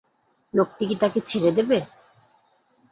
লোকটি কি তাকে ছেড়ে দেবে?